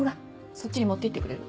そっちに持って行ってくれる？